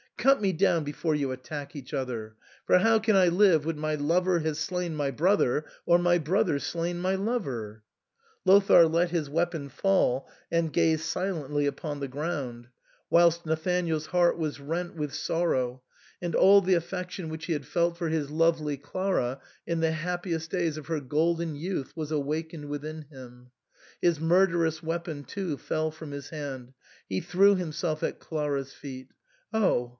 Cut me down before you attack each other ; for how can I live when my lover has slain my brother, or my brother slain my lover ?" Lothair let his weapon fall and gazed silently upon the ground, whilst Nathanael's heart was rent with sorrow, and all the affection which he had felt for his lovely Clara in the happiest days of her golden youth was awakened within him. His murderous weapon, too, fell from his hand ; he threw himself at Clara's feet. " Oh